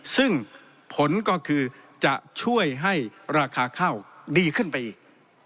ซึ่งผลก็คือจะช่วยให้ราคาข้าวดีขึ้นไปอีก